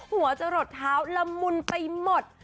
หัวจะหลดเท้าละมุนไปหมด